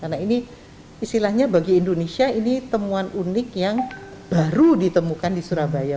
karena ini istilahnya bagi indonesia ini temuan unik yang baru ditemukan di surabaya